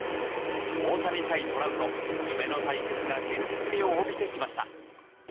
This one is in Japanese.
大谷対トラウト、夢の対決が現実味を帯びてきました。